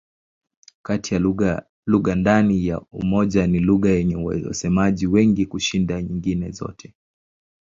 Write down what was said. Kati ya lugha ndani ya Umoja ni lugha yenye wasemaji wengi kushinda nyingine zote.